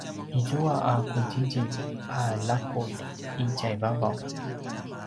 izua a qudjidjilj a laqulj i tjaivavaw